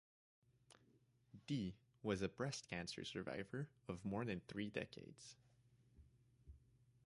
Dee was a breast cancer survivor of more than three decades.